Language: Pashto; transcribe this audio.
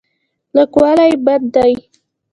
کلکوالی بد دی.